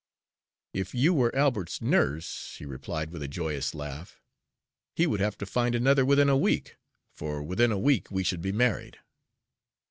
"If you were Albert's nurse," he replied, with a joyous laugh, "he would have to find another within a week, for within a week we should be married."